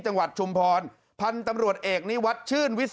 จังหวัดชุมพรพันธ์ตำรวจเอกนี้วัดชื่นวิเศษ